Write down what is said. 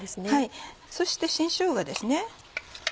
そして新しょうがです。